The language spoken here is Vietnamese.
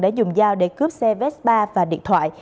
đã dùng dao để cướp xe vespa và điện thoại